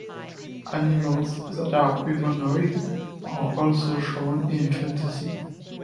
Animals that are humanoid are also shown in fantasy.